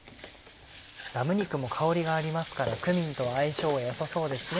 ラム肉も香りがありますからクミンと相性は良さそうですね。